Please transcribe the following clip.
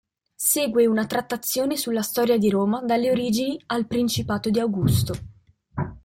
Segue una trattazione sulla storia di Roma dalle origini al principato di Augusto.